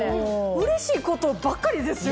うれしいことばっかりですよ！